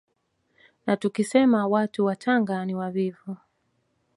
Na tukisema watu wa Tanga ni wavivu